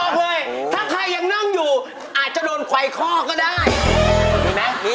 เลยถ้าใครยังนั่งอยู่อาจจะโดนไขวข้อก็ได้